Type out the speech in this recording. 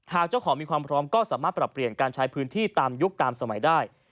เจ้าของมีความพร้อมก็สามารถปรับเปลี่ยนการใช้พื้นที่ตามยุคตามสมัยได้